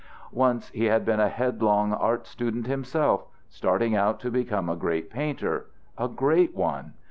Once he had been a headlong art student himself, starting out to become a great painter, a great one.